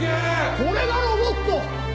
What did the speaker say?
これがロボット！